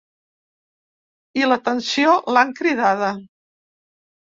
I l’atenció, l’han cridada.